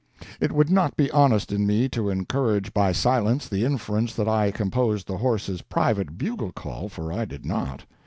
It would not be honest in me to encourage by silence the inference that I composed the Horse's private bugle call, for I did not.